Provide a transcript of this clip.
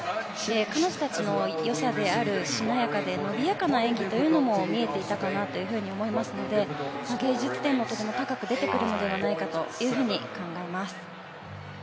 彼女たちの良さであるしなやかで伸びやかな演技というのも見えていたかなと思いますので芸術点のところも高く出てくるのではないかと考えます。